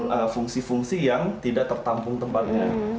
jadi tidak ada fungsi fungsi yang tidak tertampung tempatnya